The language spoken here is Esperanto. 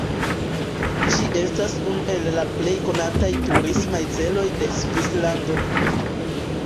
Ĝi estas unu el la plej konataj turismaj celoj de Svislando.